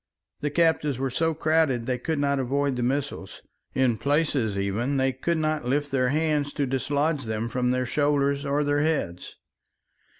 The captives were so crowded they could not avoid the missiles; in places, even, they could not lift their hands to dislodge them from their shoulders or their heads.